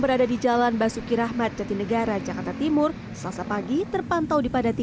berada di jalan basuki rahmat jatinegara jakarta timur selasa pagi terpantau dipadati